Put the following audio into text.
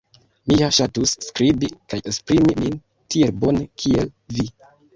Mi ja ŝatus skribi kaj esprimi min tiel bone kiel vi.